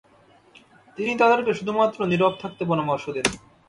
তিনি তাদেরকে শুধুমাত্র নীরব থাকতে পরামর্শ দেন।